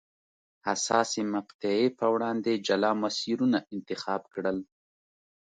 حساسې مقطعې په وړاندې جلا مسیرونه انتخاب کړل.